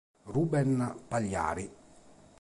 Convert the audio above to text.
Rubén Pagliari